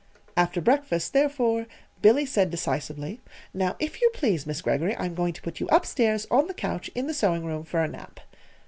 After breakfast, therefore, Billy said decisively: "Now, if you please, Miss Greggory, I'm going to put you up stairs on the couch in the sewing room for a nap."